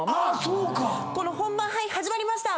「本番始まりました。